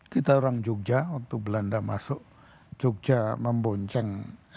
kita orang jogja waktu belanda masuk jogja membonceng